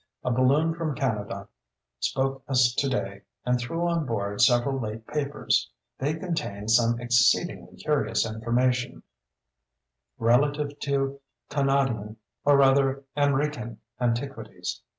A balloon from Kanadaw spoke us to day and threw on board several late papers; they contain some exceedingly curious information relative to Kanawdian or rather Amriccan antiquities.